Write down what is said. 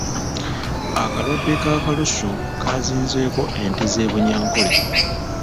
Akalwadde ka kalusu kaazinzeeko ente z’e Buyankole.